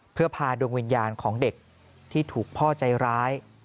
เพื่อพาดวงวิญญาณของเด็กที่ถูกพ่อใจร้าย